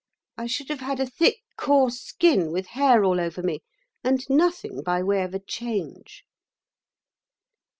I should have had a thick, coarse skin, with hair all over me and nothing by way of a change."